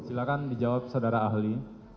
silahkan dijawab saudara ahli